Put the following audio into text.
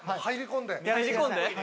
入り込んで？